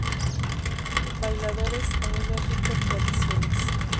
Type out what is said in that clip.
Bailadores aún es rico en tradiciones.